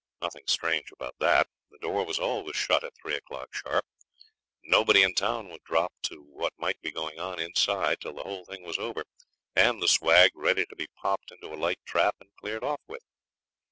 Nothing strange about that. The door was always shut at three o'clock sharp. Nobody in town would drop to what might be going on inside till the whole thing was over, and the swag ready to be popped into a light trap and cleared off with.